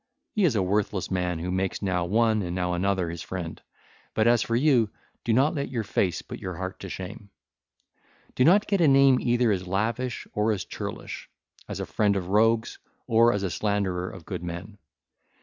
He is a worthless man who makes now one and now another his friend; but as for you, do not let your face put your heart to shame 1336. (ll. 715 716) Do not get a name either as lavish or as churlish; as a friend of rogues or as a slanderer of good men.